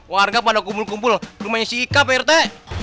warga pada kumpul kumpul rumahnya si ika pak rete